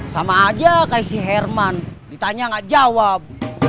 sama aja kaya si herman ditanya gak jawab